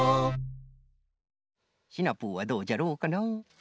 シナプーはどうじゃろうかな？